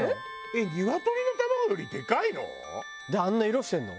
えっニワトリの卵よりでかいの？